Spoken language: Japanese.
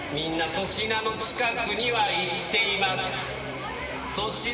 粗品の近くには行っています。